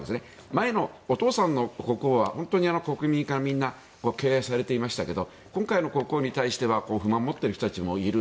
前の、お父さんの国王は本当に国民みんなから敬愛をされていましたが今回の国王に対しては不満を持っている人たちもいる。